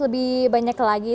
lebih banyak lagi